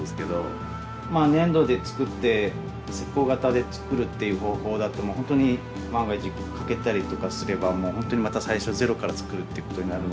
粘土で作って石こう型で作るっていう方法だともう本当に万が一欠けたりとかすれば本当にまた最初ゼロから作るってことになるのが。